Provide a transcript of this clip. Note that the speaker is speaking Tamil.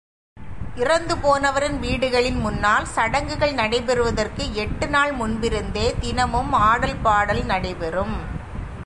இறந்து போனவரின் வீடுகளின் முன்னால், சடங்குகள் நடைபெறுவதற்கு எட்டு நாள் முன்பிருந்தே தினமும் ஆடல்பாடல் நடை பெறும்.